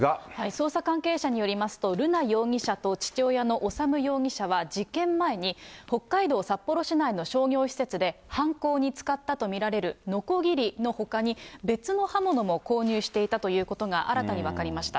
捜査関係者によりますと、瑠奈容疑者と父親の修容疑者は事件前に、北海道札幌市内の商業施設で、犯行に使ったと見られるのこぎりのほかに、別の刃物も購入していたということが新たに分かりました。